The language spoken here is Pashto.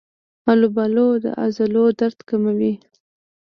آلوبالو د عضلو درد کموي.